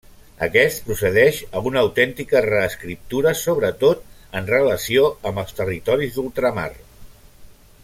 Aquest procedeix a una autèntica reescriptura, sobretot en relació amb els territoris d'ultramar.